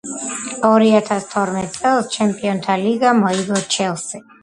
ორი ათას თორმეტ წელს ჩემპიონთა ლიგა მოიგო ჩელსიმ